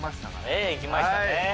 ええ行きましたね。